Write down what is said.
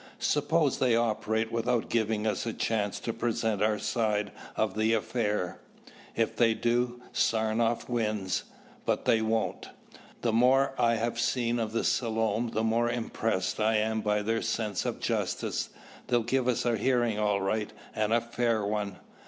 "Suppose they operate without giving us a chance to present our side of the affair." "If they do, Saranoff wins; but they won't. The more I have seen of the Selom, the more impressed I am by their sense of justice. They'll give us a hearing, all right, and a fair one."